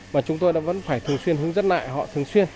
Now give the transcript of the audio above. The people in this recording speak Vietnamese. và chúng tôi đã vẫn phải thường xuyên hướng dẫn lại họ thường xuyên